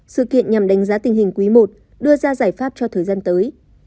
sự kiện nhằm đánh giá tình hình quý i đưa ra giải pháp cho thời gian tới